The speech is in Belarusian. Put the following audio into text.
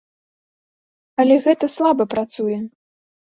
Але гэта слаба працуе.